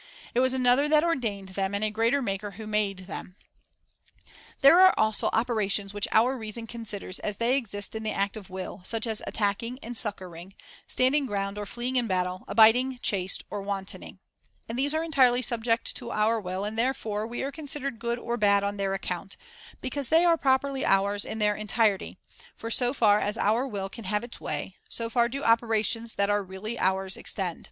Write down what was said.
It was another that ordained them, and a greater maker who made them. There are also operations which our reason considers as they exist in the act of will, such as attacking and succouring, standing ground or fleeing in battle, abiding chaste or wantoning ; and these are entirely subject to our will, and therefore we are considered good or bad on their account, because they are properly ours in their entirety ; for, so far as our will can have its way, so far do operations that are really ours extend.